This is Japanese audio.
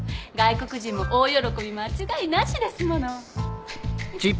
外国人も大喜び間違いなしですもの。